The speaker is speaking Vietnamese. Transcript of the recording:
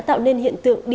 phao chọn lọc kỹ